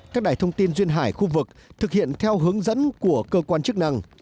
các đài thông tin duyên hải khu vực thực hiện theo hướng dẫn của cơ quan chức năng